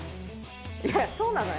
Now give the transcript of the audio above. いや、そうなのよ。